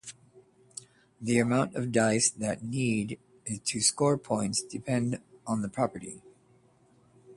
The amount of dice that need to score points depends on the property.